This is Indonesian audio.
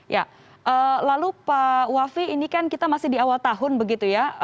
ya lalu pak wafi ini kan kita masih di awal tahun begitu ya